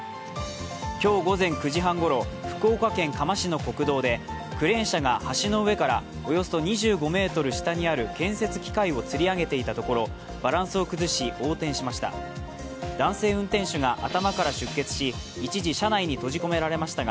今日午前９時半ごろ、福岡県嘉麻市の国道でクレーン車が橋の上からおよそ２５ｍ下にある建設機械をつり上げていたところ、バランスを崩し横転しました。